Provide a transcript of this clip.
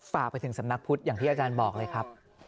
ฝากไปถึงสำนักพุทธอย่างที่อาจารย์บอกเลยครับ